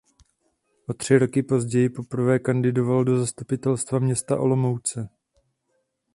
O tři roky později poprvé kandidoval do Zastupitelstva města Olomouce.